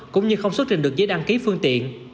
cũng như không xuất trình được giấy đăng ký phương tiện